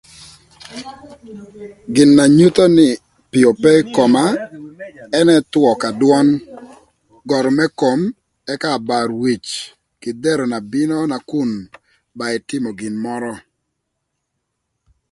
Gin na nyutho nï pii ope ï koma ënë thwö ka dwön, görü më kom ëka abarwic kï dhero na bino nakun ba ïtïmö gin mörö.